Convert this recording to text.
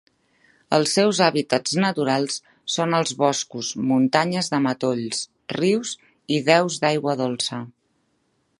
Els seus hàbitats naturals són els boscos, muntanyes de matolls, rius, i deus d'aigua dolça.